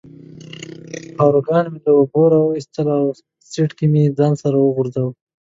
پاروګان مې له اوبو را وویستل او په سیټ کې مې ځان وغورځاوه.